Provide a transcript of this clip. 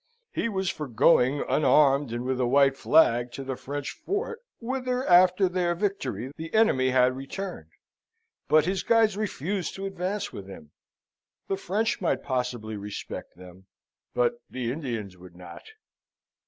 He was for going, unarmed and with a white flag, to the French fort, whither, after their victory, the enemy had returned; but his guides refused to advance with him. The French might possibly respect them, but the Indians would not.